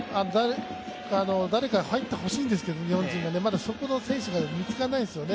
誰かが入ってほしいんですけど、日本人がまだそこの選手が見つからないんですよね。